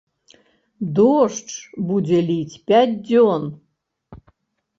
Дождж будзе ліць пяць дзён!